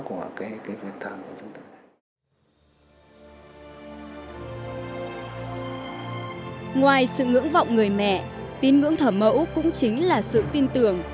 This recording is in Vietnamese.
của cái cái việc thôi ngoài sự ngưỡng vọng người mẹ tin ngưỡng thở mẫu cũng chính là sự tin tưởng